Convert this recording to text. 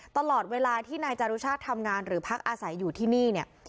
ตลอดเวลาที่นายจารุชาติทำงานหรือพักอาศัยอยู่ที่นี่เนี่ย